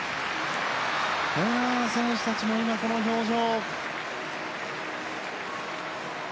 選手たちも、この表情。